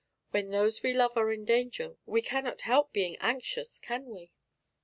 When those we love are in danger we cannot help being anxious, can we?"